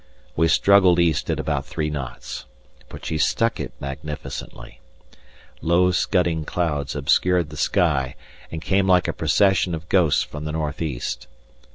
We struggled east at about three knots. But she stuck it magnificently. Low scudding clouds obscured the sky and came like a procession of ghosts from the north east.